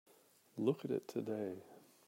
Look at it today.